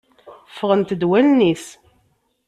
Ffɣent-d wallen-is!